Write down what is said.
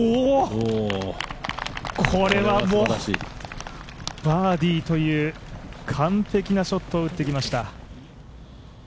これはもう、バーディーという完璧なショットを打ってきました。